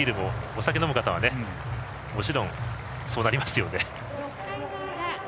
お酒を飲む方はもちろん、そうなりますよね。